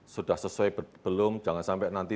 sudah sesuai belum jangan sampai nanti